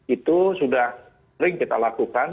itu sudah sering kita lakukan